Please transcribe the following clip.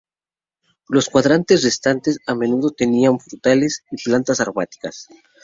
Los cuadrantes restantes a menudo tenían frutales y plantas aromáticas.